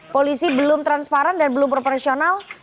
polisi belum transparan dan belum proporsional